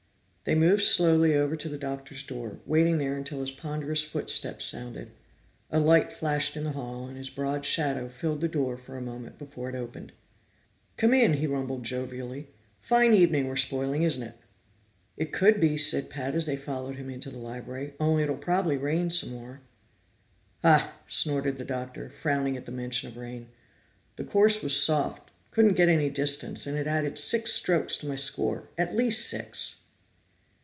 They moved slowly over to the Doctor's door, waiting there until his ponderous footsteps sounded. A light flashed in the hall, and his broad shadow filled the door for a moment before it opened. "Come in," he rumbled jovially. "Fine evening we're spoiling, isn't it?" "It could be," said Pat as they followed him into the library, "only it'll probably rain some more." "Hah!" snorted the Doctor, frowning at the mention of rain. "The course was soft. Couldn't get any distance, and it added six strokes to my score. At least six!"